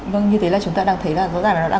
vâng như thế là chúng ta đang thấy là